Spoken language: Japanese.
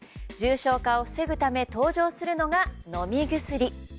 重症化を防ぐため登場するのが飲み薬。